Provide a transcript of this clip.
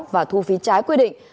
và thu phí trái quy định